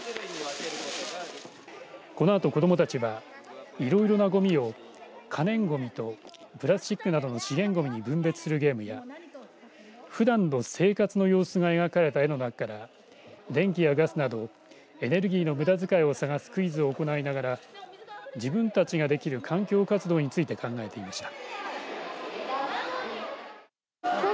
このあと子どもたちはいろいろなごみを可燃ごみとプラスチックなどの資源ごみに分別するゲームやふだんの生活の様子が描かれた絵の中から電気やガスなどエネルギーのむだづかいを探すクイズを行いながら自分たちができる環境活動について考えていました。